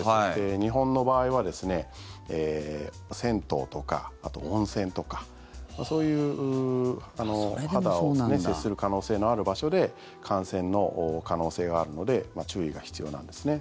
日本の場合は銭湯とか、あと温泉とかそういう肌を接する可能性のある場所で感染の可能性があるので注意が必要なんですね。